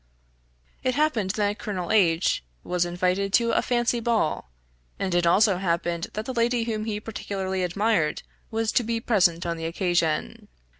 It happened that Colonel H was invited to a fancy ball; and it also happened that the lady whom he particularly admired, was to be present on the occasion.